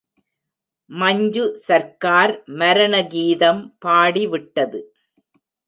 மஞ்சு சர்க்கார் மரண கீதம் பாடிவிட்டது.